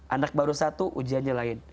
anak baru satu ujiannya lain